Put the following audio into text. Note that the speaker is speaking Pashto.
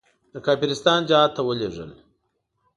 د کافرستان جهاد ته ولېږل.